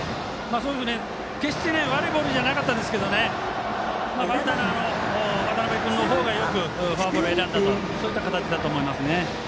決して悪いボールじゃなかったですけどバッターの渡邉君の方がよくフォアボールを選んだという形だと思います。